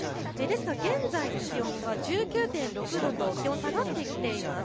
現在の気温は１９．６度と気温下がってきています。